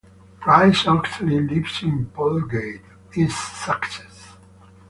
Rice-Oxley lives in Polegate, East Sussex.